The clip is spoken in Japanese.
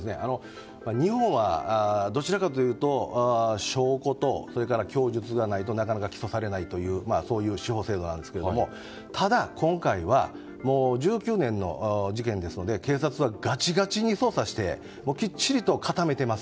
日本はどちらかというと証拠と供述がないとなかなか起訴されないという司法制度なんですがただ、今回は１９年の事件ですので警察はがちがちに捜査してきっちりと固めてます。